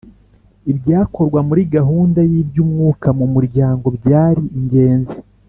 Ibyakorwa muri gahunda y’ iby’ umwuka mu muryango byari ingenzi